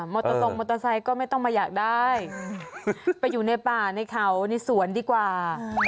ตรงมอเตอร์ไซค์ก็ไม่ต้องมาอยากได้ไปอยู่ในป่าในเขาในสวนดีกว่า